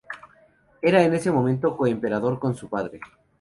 Era en ese momento coemperador con su padre.